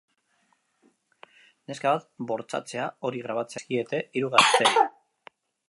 Neska bat bortxatzea, hori grabatzea eta zabaltzea leporatzen dizkiete hiru gazteri.